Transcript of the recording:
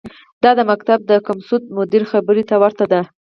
دا د مکتب د کمسواده مدیر خبرې ته ورته ده.